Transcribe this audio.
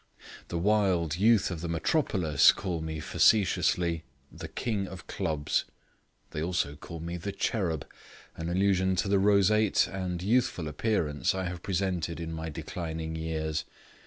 The wild youth of the metropolis call me facetiously 'The King of Clubs'. They also call me 'The Cherub', in allusion to the roseate and youthful appearance I have presented in my declining years.